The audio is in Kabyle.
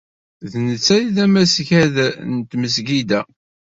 D netta ay d amasgad n tmesgida-a.